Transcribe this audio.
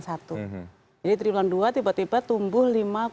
jadi triulan dua tiba tiba tumbuh lima dua puluh tujuh